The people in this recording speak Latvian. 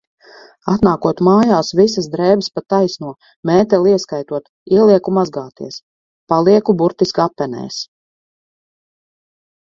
Atnākot mājās, visas drēbes pa taisno, mēteli ieskaitot, ielieku mazgāties, palieku burtiski apenēs.